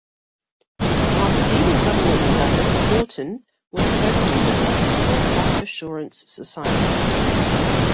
After leaving government service, Morton was President of Equitable Life Assurance Society.